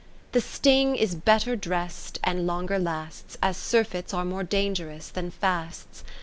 The sting is better dress'd and longer lasts. As surfeits are more dangerous than fasts.